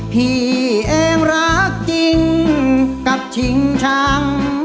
พี่เองรักจริงกับชิงชัง